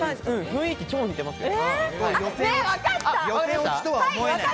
雰囲気、超似てますよ。